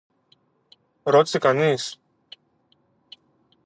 ρώτησε κείνος.